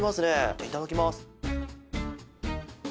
じゃあいただきます。